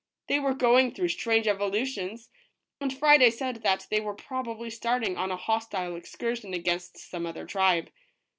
They were going through strange evolutions, and Friday said that they were probably starting on a hostile excursion against some other tribe.